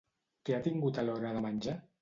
Què ha tingut a l'hora de menjar?